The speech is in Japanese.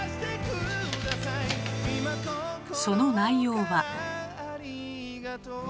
その内容は。